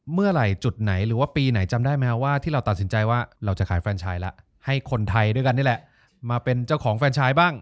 เมื่อไหร่จุดไหนหรือว่าปีไหนจำได้ไหมครับว่าที่เราตัดสินใจว่าเราจะขายแฟนชายแล้วให้คนไทยด้วยกันนี่แหละมาเป็นเจ้าของแฟนชายบ้าง